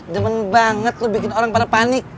demen banget lo bikin orang pada panik